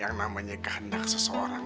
yang namanya kehendak seseorang